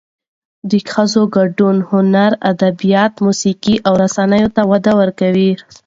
د ښځو ګډون هنر، ادبیات، موسیقي او رسنیو ته وده ورکوي.